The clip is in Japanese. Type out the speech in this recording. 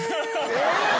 えっ！